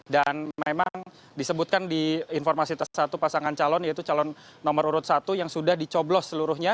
dan memang disebutkan di informasi tersebut pasangan calon yaitu calon nomor urut satu yang sudah dicoblo seluruhnya